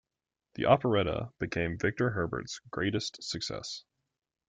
The operetta became Victor Herbert's greatest success.